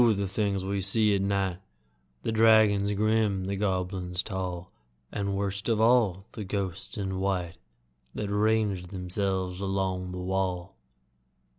the things we see at night The dragons grim, the goblins tall, And, worst of all, the ghosts in white That range themselves along the wall!